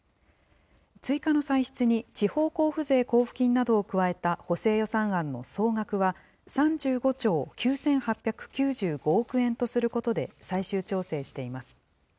追加の歳出に地方交付税交付金などを加えた補正予算案の総額は、３５兆９８９５億円とすることで最終調整しています。